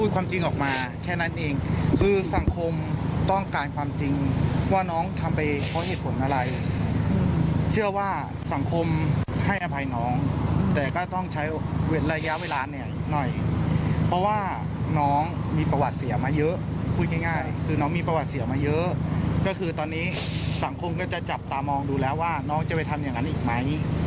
ก็คือตอนนี้สังคมก็จะจับตามองดูแลว่าน้องจะไปทำอย่างนั้นอีกไหม